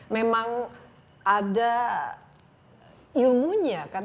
memang ada ilmunya kan